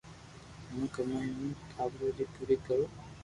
ھون ڪمائي مون ٽاٻرو ري پوري ڪرو